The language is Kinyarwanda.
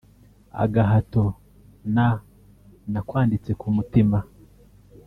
“Agahato” na “Nakwanditse ku Mutima”